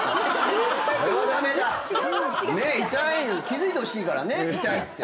気付いてほしいからね痛いって。